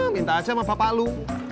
minta aja sama bapak lu